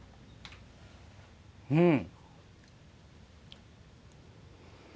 うん。